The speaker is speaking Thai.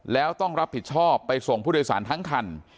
แล้วต้องรับผิดชอบไปส่งผู้โดยสารทั้งคัน